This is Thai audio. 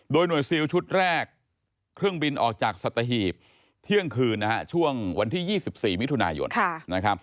โดยหน่วยซิลชุดแรกเครื่องบินออกจากสัตหีบเที่ยงคืนนะฮะช่วงวันที่๒๔มิถุนายนนะครับ